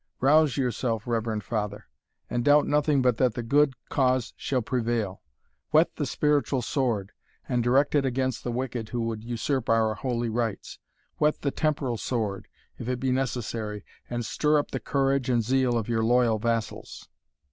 Rouse yourself, Reverend father, and doubt nothing but that the good cause shall prevail. Whet the spiritual sword, and direct it against the wicked who would usurp our holy rights. Whet the temporal sword, if it be necessary, and stir up the courage and zeal of your loyal vassals."